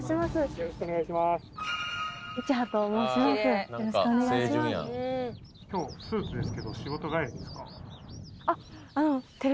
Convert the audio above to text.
よろしくお願いします。